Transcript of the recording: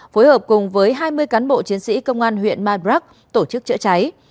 phối hợp cùng với hai mươi cán bộ chiến sĩ công an huyện madrak tổ chức chữa cháy